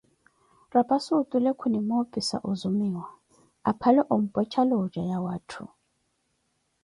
Rapasi otule kunimoopisa ozumiwa, aphale ompwecha looja la watthu.